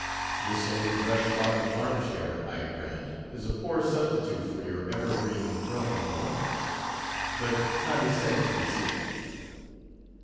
This old rush bottomed arm chair, I grant, is a poor substitute for your evergreen throne on Olympus; but, condescend to be seated."